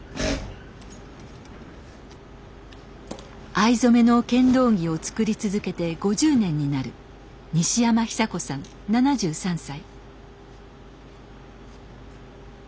藍染めの剣道着を作り続けて５０年になる西山久子さん７３歳。